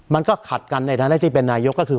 มันก็ขัดกันในฐานะที่เป็นนายกก็คือ